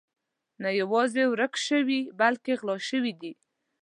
نه یوازې ورک شوي بلکې غلا شوي دي.